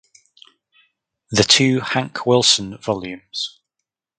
The two Hank Wilson Vol.